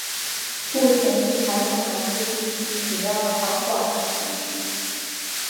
目前是台湾南部地区主要的环保团体之一。